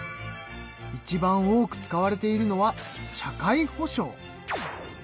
いちばん多く使われているのは社会保障。